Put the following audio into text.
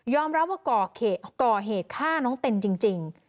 รับว่าก่อเหตุฆ่าน้องเต็นจริง